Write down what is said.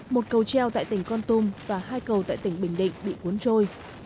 một cầu treo tại tỉnh con tum và hai cầu tại tỉnh bình định bị cuốn trôi